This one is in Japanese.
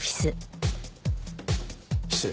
失礼。